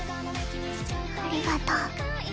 ありがとう。